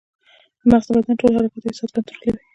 مغز د بدن ټول حرکات او احساسات کنټرولوي